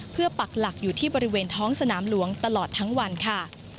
เพื่อปักหลักอยู่ที่บริเวณท้องสนามหลวงตลอดทั้งวันค่ะ